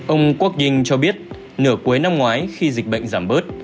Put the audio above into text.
ông kwok ying cho biết nửa cuối năm ngoái khi dịch bệnh giảm bớt